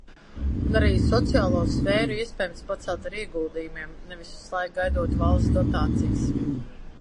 Un arī sociālo sfēru iespējams pacelt ar ieguldījumiem, nevis visu laiku gaidot valsts dotācijas.